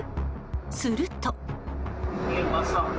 すると。